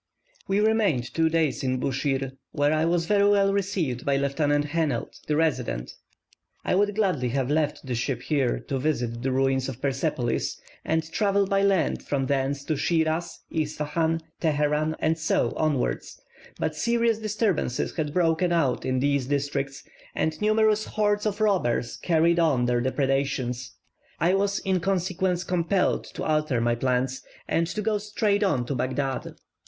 We remained two days in Buschir, where I was very well received by Lieutenant Hennelt, the resident. I would gladly have left the ship here to visit the ruins of Persepolis, and travel by land from thence to Shiraz, Ispahan, Teheran, and so onwards; but serious disturbances had broken out in these districts, and numerous hordes of robbers carried on their depredations. I was in consequence compelled to alter my plan, and to go straight on to Baghdad.